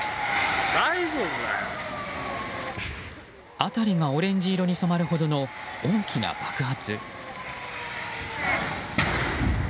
辺りがオレンジ色に染まるほどの大きな爆発。